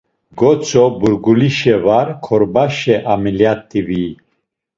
Gotzo burgulişe var korbaşe ameliyet̆i viyi.